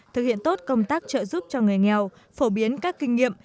thực hiện tốt công tác trợ giúp cho người nghèo phổ biến các kinh nghiệm